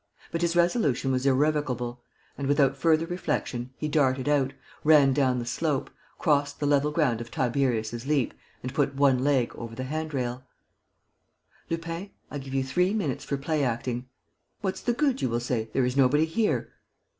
But his resolution was irrevocable and, without further reflection, he darted out, ran down the slope, crossed the level ground of Tiberius's Leap and put one leg over the hand rail: "Lupin, I give you three minutes for play acting. 'What's the good?' you will say. 'There is nobody here.'